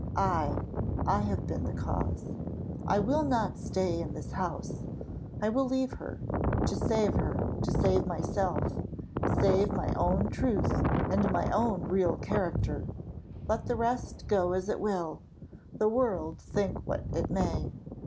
I I have been the cause. I will not stay in this house I will leave her. To save her to save myself save my own truth and my own real character let the rest go as it will the world think what it may!